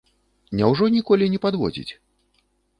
Няўжо ніколі не падводзіць?